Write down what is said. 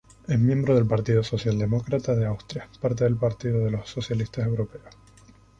Es miembro del Partido Socialdemócrata de Austria, parte del Partido de los Socialistas Europeos.